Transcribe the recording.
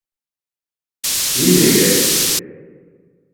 Инегеҙ!